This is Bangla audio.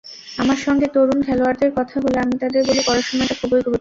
আমার সঙ্গে তরুণ খেলোয়াড়দের কথা হলে আমি তাদের বলি, পড়াশোনাটা খুবই গুরুত্বপূর্ণ।